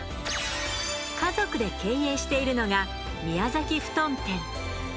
家族で経営しているのが「宮崎蒲団店」。